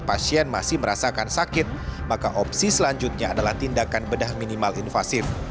pasien masih merasakan sakit maka opsi selanjutnya adalah tindakan bedah minimal invasif